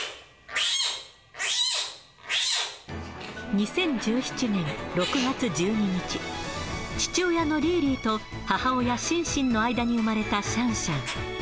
２０１７年６月１２日、父親のリーリーと母親、シンシンの間に生まれたシャンシャン。